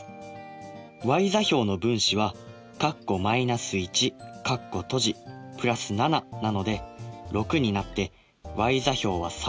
ｙ座標の分子は＋７なので６になってｙ座標は３。